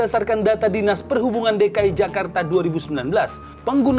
baik dari yang tarifnya tergolong murah seperti krl dan transkart